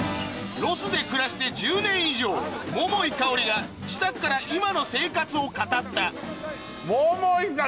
ロスで暮らして１０年以上桃井かおりが自宅から今の生活を語った桃井さん